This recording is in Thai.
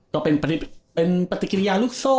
ก็เป็นปฏิกิริยาลูกโซ่